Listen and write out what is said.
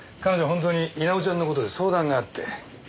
本当に稲尾ちゃんの事で相談があって。